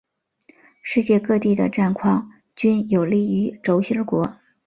世界各地的战况均有利于轴心国。